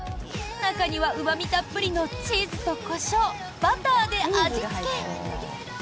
中には、うま味たっぷりのチーズとコショウバターで味付け。